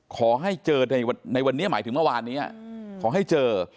ขอให้เจอในวันนี้หมายถึงเมื่อวานนี้ขอให้เจอ